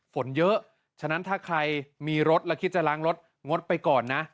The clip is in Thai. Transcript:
ฝนเยอะฉะนั้นถ้าใครมีรถแล้วคิดจะล้างรถงดไปก่อนนะ